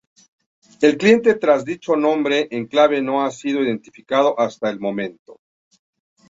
El cliente tras dicho nombre en clave no ha sido identificado hasta el momento.